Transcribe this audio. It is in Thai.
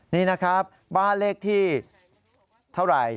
นี่นะครับบ้านเลขที่เท่าไหร่